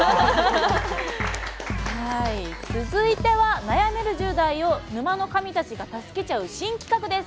続いては、悩める１０代を沼の神たちが助けちゃう新企画です。